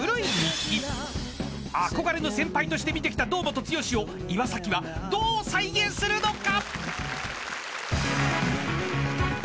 ［憧れの先輩として見てきた堂本剛を岩はどう再現するのか？］